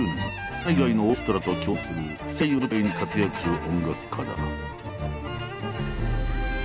国内外のオーケストラと共演する世界を舞台に活躍する音楽家だ。